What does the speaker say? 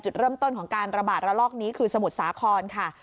จุดเริ่มต้นของการระบาดระลอกนี้คือสมุทรสาครค่ะ